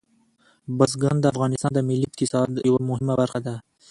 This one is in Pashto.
بزګان د افغانستان د ملي اقتصاد یوه مهمه برخه ده.